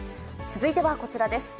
続いてはこちらです。